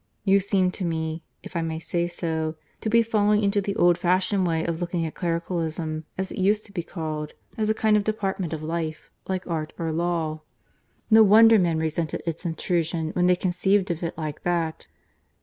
You seem to me, if I may say so, to be falling into the old fashioned way of looking at 'Clericalism,' as it used to be called, as a kind of department of life, like Art or Law. No wonder men resented its intrusion when they conceived of it like that.